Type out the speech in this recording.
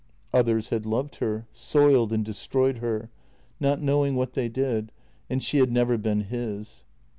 Others had loved her, soiled, and destroyed her, not knowing what they did — and she had never been his.